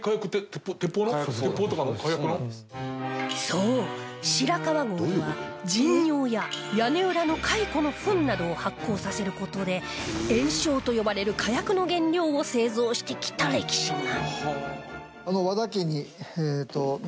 そう白川郷では人尿や屋根裏の蚕のフンなどを発酵させる事で焔硝と呼ばれる火薬の原料を製造してきた歴史が